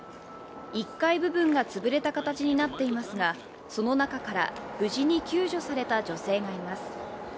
１階部分が潰れた形になっていますが、その中から無事に救助された女性がいます。